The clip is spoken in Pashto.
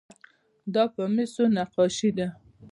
دا په مسو نقاشي ده.